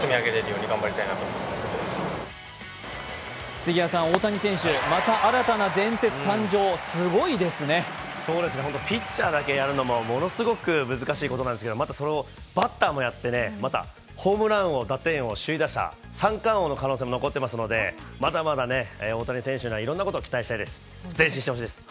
杉谷さん、大谷選手また新たな伝説誕生、ピッチャーだけやるのもものすごく難しいことなんですけど、またバッターもやって、ホームラン王、首位打者、三冠王の可能性も残ってますので、まだまだ大谷選手にはいろんなことを期待したいです。